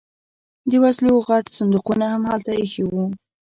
د وسلو غټ صندوقونه هم هلته ایښي وو